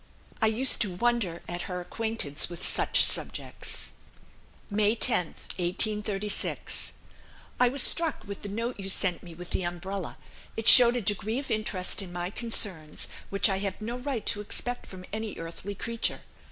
I used to wonder at her acquaintance with such subjects." "May 10th, 1836. "I was struck with the note you sent me with the umbrella; it showed a degree of interest in my concerns which I have no right to expect from any earthly creature.